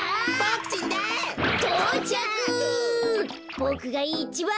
ボクがいちばん。